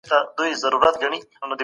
ادب يوازي تېر وخت نه دی